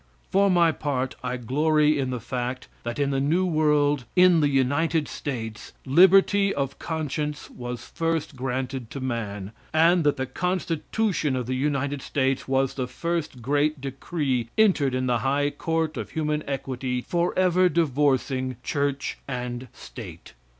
For my part, I glory in the fact that in the New World, in the United States, liberty of conscience was first granted to man, and that the Constitution of the United States was the first great decree entered in the high court of human equity forever divorcing Church and State.